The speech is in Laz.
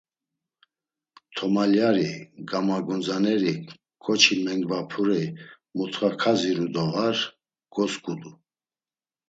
Tomalyari, gamagundzaneri, ǩoçi memgvapuri mutxa kaziru do var, gosǩudu.